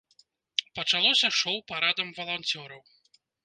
Пачалося шоў парадам валанцёраў.